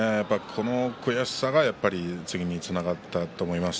その悔しさが次につながったと思います。